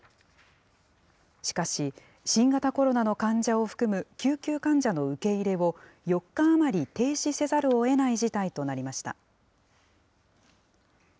しかし、新型コロナの患者を含む救急患者の受け入れを４日余り停止せざるをえない事態となりました。